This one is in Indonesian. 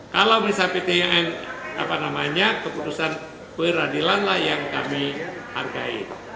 kalau menurut pt un keputusan peradilan yang kami hargai